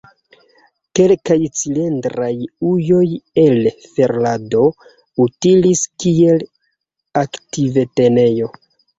Kelkaj cilindraj ujoj el ferlado utilis kiel arkivtenejo.